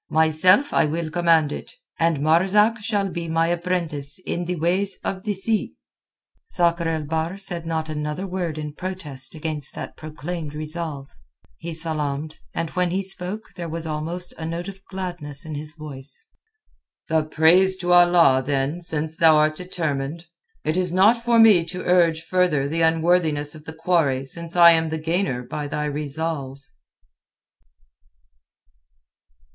Myself I will command it, and Marzak shall be my apprentice in the ways of the sea." Sakr el Bahr said not another word in protest against that proclaimed resolve. He salaamed, and when he spoke there was almost a note of gladness in his voice. "The praise to Allah, then, since thou'rt determined. It is not for me to urge further the unworthiness of the quarry since I am the gainer by thy resolve."